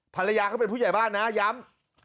ภรรยาเขาเป็นผู้ใหญ่บ้านนะย้ำ